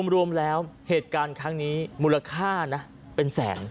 รวมแล้วเหตุการณ์ครั้งนี้มูลค่านะเป็นแสน